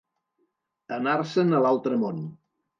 Anar-se'n a l'altre món.